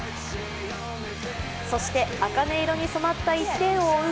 そしてあかね色に染まった１点を追う